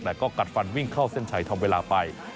แต่ก็กัดฟันวิ่งเข้าเส้นชัยทำเวลาไป